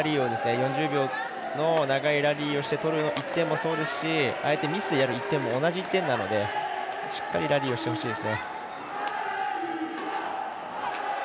４０秒の長いラリーをして取る１点もそうですしミスでやる１点も同じ１点なのでしっかりラリーをしてほしいです。